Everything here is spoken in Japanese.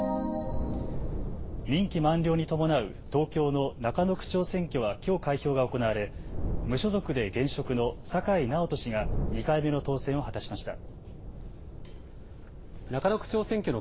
任期満了に伴う東京の中野区長選挙はきょう開票が行われ無所属で現職の酒井直人氏が２回目の当選を果たしました。